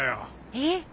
えっ。